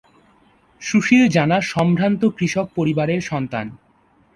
সুশীল জানা সম্ভ্রান্ত কৃষক পরিবারের সন্তান।